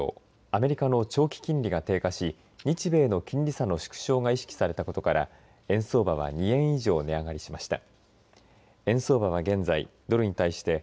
アメリカの長期金利が低下し日米の金利差の縮小が意識されたことから円相場は２円以上値上がりしました。